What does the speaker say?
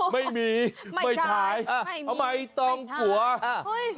ไม่มีไม่ใช่ไม่ตรงกว่า